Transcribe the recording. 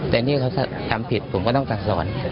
แต่นี่เขาทำผิดผมก็ต้องสั่งสอน